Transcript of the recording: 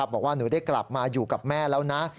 บอกว่าหนูได้กลับมาอยู่กับแม่แล้วนะ